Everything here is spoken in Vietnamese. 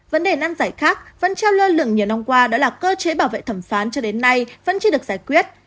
vấn đề nan giải khác vẫn treo lơ lửng nhiều năm qua đó là cơ chế bảo vệ thẩm phán cho đến nay vẫn chưa được giải quyết